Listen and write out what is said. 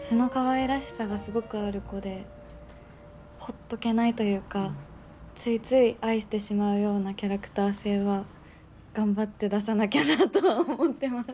素のかわいらしさがすごくある子でほっとけないというかついつい愛してしまうようなキャラクター性は頑張って出さなきゃなとは思ってます。